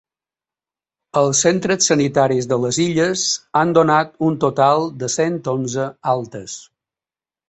Els centres sanitaris de les Illes han donat un total de cent onze altes.